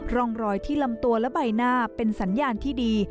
ร่องรอยที่ลำตัวและใบหน้าเป็นสัญญาณที่ดี